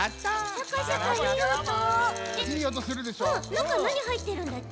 なかなにはいってるんだち？